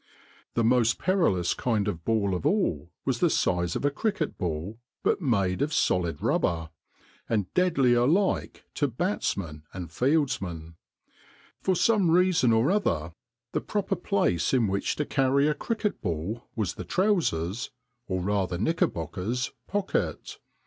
The most perilous kind of ball of all was the size of a cricket ball, but made of solid rubber, and deadly alike to batsman and fieldsman. For some reason or other the proper place in which to carry a cricket ball was the trousers, or rather knickerbockers, pocket.